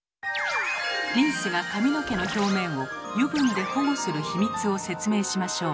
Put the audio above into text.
リンスが髪の毛の表面を油分で保護するヒミツを説明しましょう。